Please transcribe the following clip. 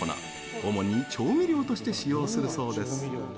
主に調味料として使用するそうです。